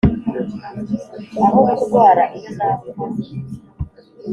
aho kurwara iyo napfa